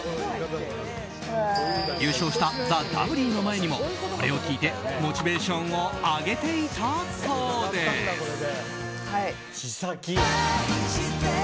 優勝した「ＴＨＥＷ」の前にもこれを聴いてモチベーションを上げていたそうです。